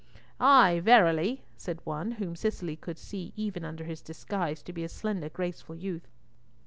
"Ay, verily," said one, whom Cicely could see even under his disguise to be a slender, graceful youth.